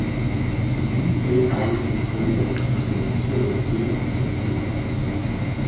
En ny eltavle skal installeres af en certificeret elinstallatør.